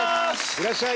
いらっしゃい！